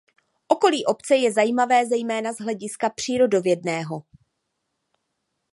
Okolí obce ja zajímavé zejména z hlediska přírodovědného.